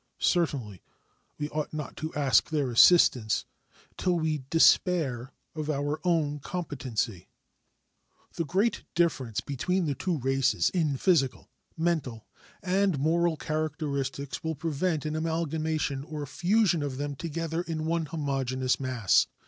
Certainly we ought not to ask their assistance till we despair of our own competency. The great difference between the two races in physical, mental, and moral characteristics will prevent an amalgamation or fusion of them together in one homogeneous mass.